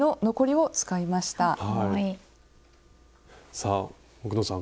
さあ奥野さん